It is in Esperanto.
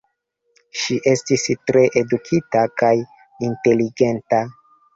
Ŝi estis tre edukita kaj inteligenta.